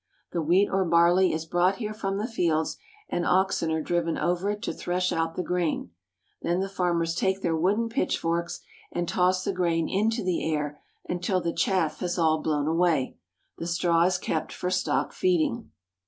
The wheat or barley is brought here from the fields, and oxen are driven over it to thresh out the grain. Then the farmers take their wooden pitchforks and toss the grain into the air until the chaff has all blown away. The straw is kept for stock feeding.